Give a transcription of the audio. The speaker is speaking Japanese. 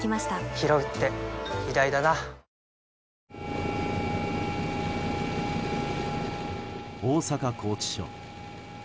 ひろうって偉大だな大阪拘置所。